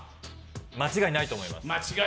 間違いないと思います。